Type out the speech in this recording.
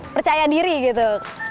percaya diri gitu